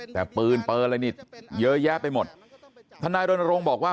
แต่ปืนเปิ้ลอะไรนี่เยอะแยะไปหมดท่านายโรนโรงบอกว่า